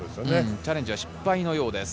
チャレンジは失敗のようです。